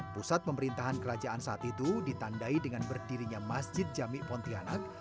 pusat pemerintahan kerajaan saat itu ditandai dengan berdirinya masjid jami pontianak